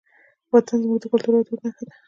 وطن زموږ د کلتور او دود نښه ده.